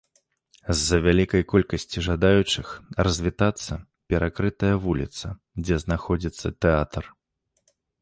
З-за вялікай колькасці жадаючых развітацца перакрытая вуліца, дзе знаходзіцца тэатр.